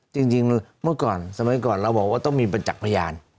จริงเมื่อก่อนสมัยก่อนเราบอกว่าต้องมีประจักษ์พยาน